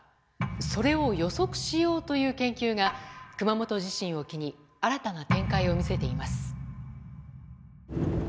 それを予測しようという研究が熊本地震を機に新たな展開を見せています。